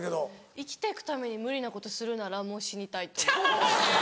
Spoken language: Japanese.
生きて行くために無理なことするならもう死にたいと思う。